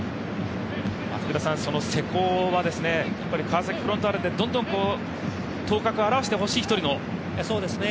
その瀬古は川崎フロンターレでどんどん頭角を現してほしい一人ですよね。